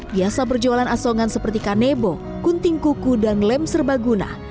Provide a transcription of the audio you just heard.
biasa berjualan asongan seperti kanebo kunting kuku dan lem serbaguna